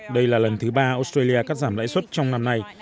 đây là lần thứ ba australia cắt giảm lãi suất trong năm nay